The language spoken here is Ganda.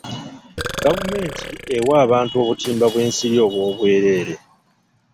Gavumenti ewa abantu obutimba bw'ensiri obwobwereere.